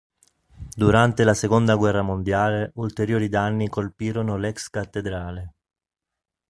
Durante la seconda guerra mondiale ulteriori danni colpirono l'ex cattedrale.